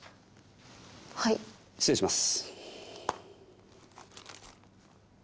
はい失礼します